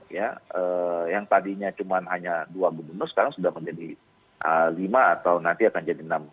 ya yang tadinya cuma hanya dua gubernur sekarang sudah menjadi lima atau nanti akan jadi enam